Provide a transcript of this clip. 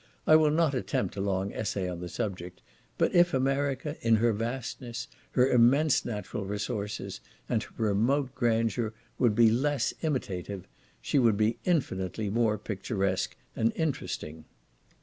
I will not attempt a long essay on the subject, but if America, in her vastness, her immense natural resources, and her remote grandeur, would be less imitative, she would be infinitely more picturesque and interesting.